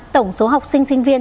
tổng số học sinh sinh viên